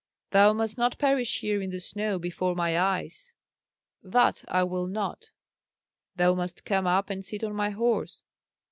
"Thou must not perish here in the snow before my eyes." "That I will not." "Thou must come up and sit on my horse."